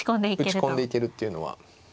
打ち込んでいけるっていうのは。